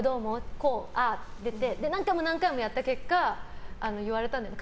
こう、ああって出て何回もやった結果言われたんだよね。